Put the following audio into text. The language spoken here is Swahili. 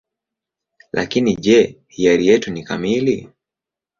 Lakini je, hiari yetu ni kamili?